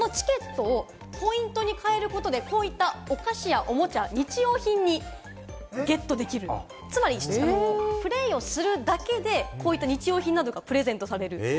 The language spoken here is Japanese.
このチケットをポイントに換えることでこういったお菓子やおもちゃ、日用品にゲットできるという、つまりクレーンをするだけで、こういった日用品などがプレゼントされる。